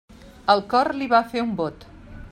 El cor li va fer un bot.